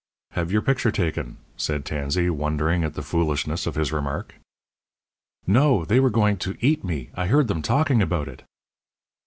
"Have your picture taken," said Tansey, wondering at the foolishness of his remark. "No, they were going to eat me. I heard them talking about it."